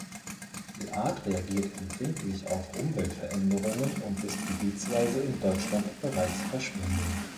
Die Art reagiert empfindlich auf Umweltveränderungen und ist gebietsweise in Deutschland bereits verschwunden.